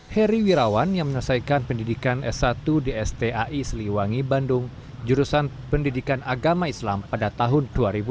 heri wirawan yang menyelesaikan pendidikan s satu di stai siliwangi bandung jurusan pendidikan agama islam pada tahun dua ribu dua